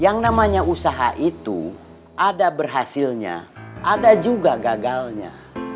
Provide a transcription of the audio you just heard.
yang namanya usaha itu ada berhasilnya ada juga gagalnya